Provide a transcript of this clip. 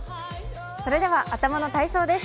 それでは頭の体操です。